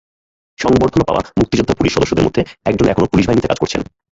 সংবর্ধনা পাওয়া মুক্তিযোদ্ধা পুলিশ সদস্যদের মধ্যে একজন এখনো পুলিশ বাহিনীতে কাজ করছেন।